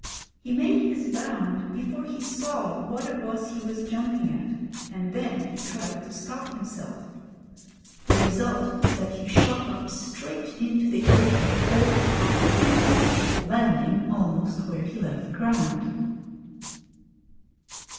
He made his bound before he saw what it was he was jumping at, and then he tried to stop himself. The result was that he shot up straight into the air for four or five feet, landing almost where he left ground.